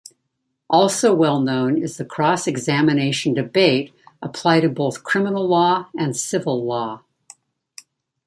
Also well-known is the cross-examination debate applied in both criminal law and civil law.